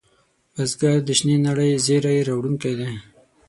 بزګر د شنې نړۍ زېری راوړونکی دی